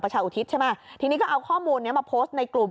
ชาอุทิศใช่ไหมทีนี้ก็เอาข้อมูลเนี้ยมาโพสต์ในกลุ่ม